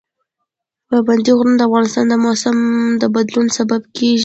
پابندي غرونه د افغانستان د موسم د بدلون سبب کېږي.